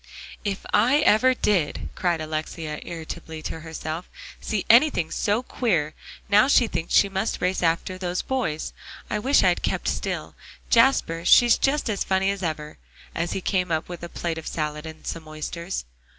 "If I ever did!" cried Alexia irritably to herself, "see anything so queer! Now she thinks she must race after those boys. I wish I'd kept still. Jasper, she's just as funny as ever," as he came up with a plate of salad, and some oysters.